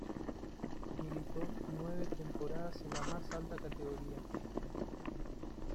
Militó nueve temporadas en la más alta categoría.